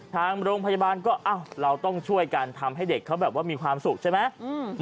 ทางโรงพยาบาลก็เราต้องช่วยกันทำให้เด็กเขาแบบว่ามีความสุขใช่ไหม